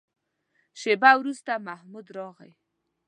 شېبه وروسته محمود راغی.